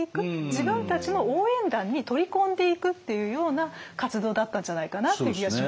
自分たちの応援団に取り込んでいくっていうような活動だったんじゃないかなっていう気がしますね。